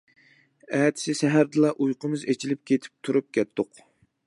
ئەتىسى سەھەردىلا ئۇيقۇمىز ئېچىلىپ كېتىپ تۇرۇپ كەتتۇق.